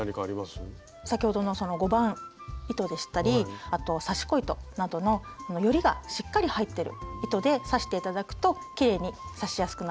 先ほどの５番糸でしたりあと刺し子糸などのよりがしっかり入ってる糸で刺して頂くときれいに刺しやすくなると思います。